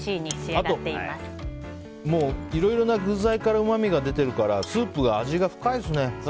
あと、いろいろな具材からうまみが出てるからスープの味が深いですね。